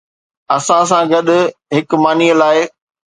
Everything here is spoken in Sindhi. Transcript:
اسان سان گڏ هڪ ماني لاء